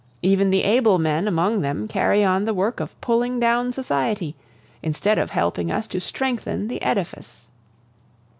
Even the able men among them carry on the work of pulling down society, instead of helping us to strengthen the edifice.